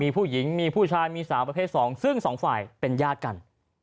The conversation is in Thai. มีผู้หญิงมีผู้ชายมีสาวประเภท๒ซึ่งสองฝ่ายเป็นญาติกัน